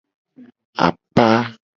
Apa.